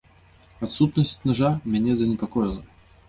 Адсутнасць нажа мяне занепакоіла.